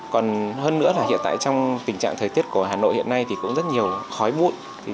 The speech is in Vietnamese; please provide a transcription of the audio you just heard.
còn hơn nữa là hiện tại trong tình trạng thời tiết của hà nội hiện nay thì cũng rất nhiều khói bụi